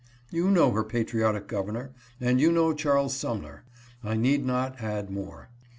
You know her patriotic governor, and you know Charles Sumner. I need not add more.